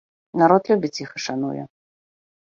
Народ любіць іх і шануе.